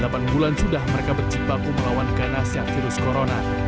delapan bulan sudah mereka berjibaku melawan ganasnya virus corona